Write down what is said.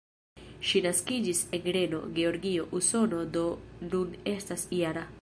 Ŝi naskiĝis en Reno, Georgio, Usono, do nun estas -jara.